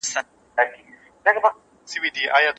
تاسو کولای شئ چې له مېوو څخه طبیعي شربت جوړ کړئ.